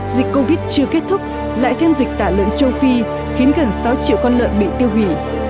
dịch covid chưa kết thúc lại thêm dịch tả lợn châu phi khiến gần sáu triệu con lợn bị tiêu hủy